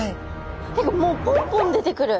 もうポンポン出てくる。